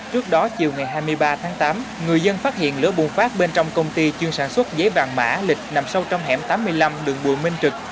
trước đó chiều ngày hai mươi ba tháng tám người dân phát hiện lửa bùng phát bên trong công ty chuyên sản xuất giấy vàng mã lịch nằm sâu trong hẻm tám mươi năm đường bùi minh trực